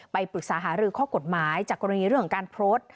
ปรึกษาหารือข้อกฎหมายจากกรณีเรื่องของการโพสต์